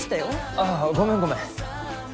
あっごめんごめん。